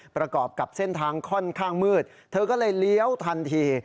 ประกอบกับเส้นทางค่อนข้างมืดเธอก็เลยเลี้ยวทันที